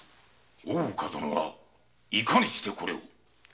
大岡殿はいかにしてこれを？